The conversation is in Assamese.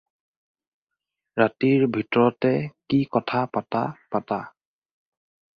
ৰাতিৰ ভিতৰতে কি কথা পাতা পাতা।